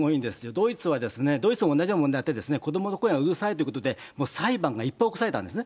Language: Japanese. ドイツはですね、ドイツも同じような問題があって、子どもの声がうるさいということで、裁判がいっぱい起こされたんですね。